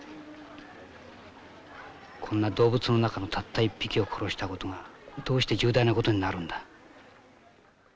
こんな動物の中のたった一匹を殺したことがどうして重大なことになるんだ。